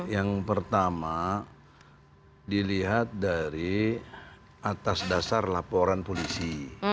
yang pertama dilihat dari atas dasar laporan polisi